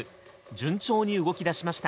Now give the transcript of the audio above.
順調に動きだしました。